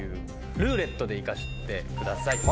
「ルーレット」で行かせてください。